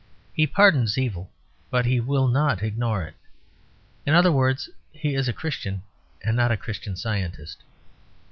He pardons evil, but he will not ignore it. In other words, he is a Christian, and not a Christian Scientist.